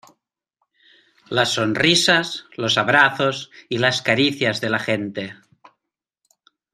las sonrisas, los abrazos y las caricias de la gente